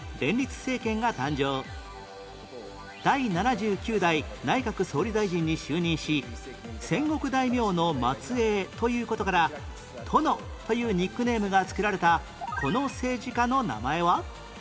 第７９代内閣総理大臣に就任し戦国大名の末裔という事から「殿」というニックネームが付けられたこの政治家の名前は？